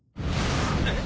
えっ？